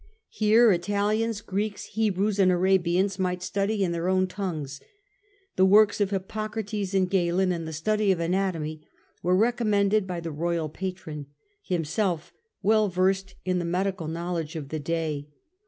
Here Italians, Greeks, Hebrews and Arabians might study in their own tongues. The works of Hippocrates and Galen and the study of anatomy were recommended by the royal patron, himself well versed in the medical knowledge of the day.